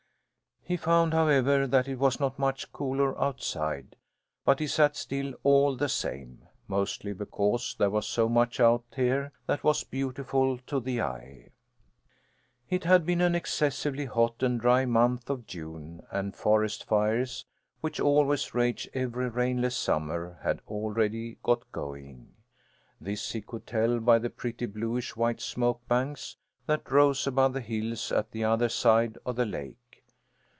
He found, however, that it was not much cooler outside, but he sat still all the same, mostly because there was so much out here that was beautiful to the eye. It had been an excessively hot and dry month of June and forest fires, which always rage every rainless summer, had already got going. This he could tell by the pretty bluish white smoke banks that rose above the hills at the other side of the lake.